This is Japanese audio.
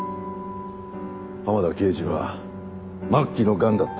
浜田啓司は末期のがんだった。